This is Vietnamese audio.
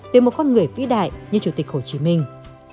về một con người vĩ đại như chủ tịch hồ chí minh